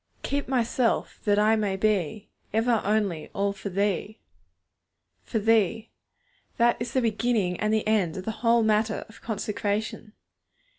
'Keep my self, that I may be Ever, only, all for Thee.' 'For Thee!' That is the beginning and the end of the whole matter of consecration.